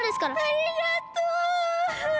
ありがとう！